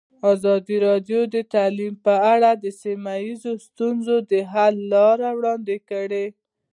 ازادي راډیو د تعلیم په اړه د سیمه ییزو ستونزو حل لارې راوړاندې کړې.